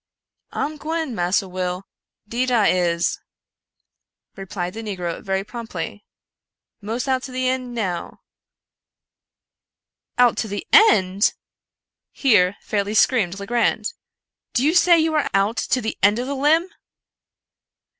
" I'm gwine, Massa Will — deed I is," replied the negro very promptly —" mos out to the eend now." "Out to the end!" here fairly screamed Legrand; "do you say you are out to the end of that limb